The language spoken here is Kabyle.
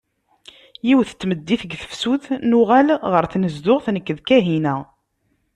Yiwet n tmeddit deg tefsut, nuɣal ɣer tnezduɣt nekk d Kahina.